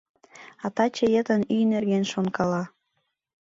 А таче йытын ӱй нерген шонкала.